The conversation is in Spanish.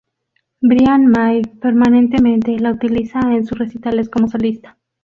Brian May permanentemente la utiliza en sus recitales como solista.